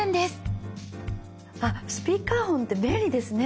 あっスピーカーフォンって便利ですね！